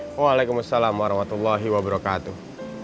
waalaikumsalam warahmatullahi wabarakatuh